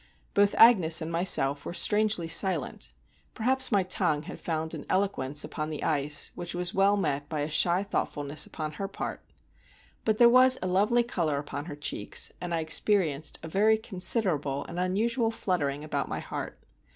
Both Agnes and myself were strangely silent; perhaps my tongue had found an eloquence upon the ice which was well met by a shy thoughtfulness upon her part. But there was a lovely color upon her cheeks, and I experienced a very considerable and unusual fluttering about my heart.